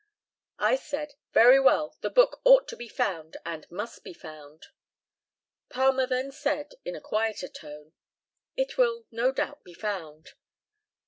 I said, "Very well, the book ought to be found, and must be found." Palmer then said, in a quieter tone, "It will no doubt be found."